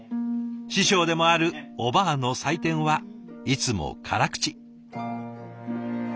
師匠でもあるおばあの採点はいつも辛口。